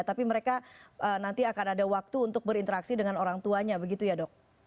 tapi mereka nanti akan ada waktu untuk berinteraksi dengan orang tuanya begitu ya dok